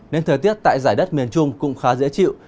nên thời tiết tại giải đất miền trung cũng khá dễ chịu